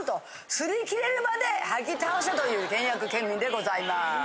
擦り切れるまで履き倒せという倹約ケンミンでございます。